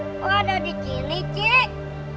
oh udah disini cik